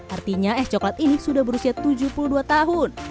artinya es coklat ini sudah berusia tujuh puluh dua tahun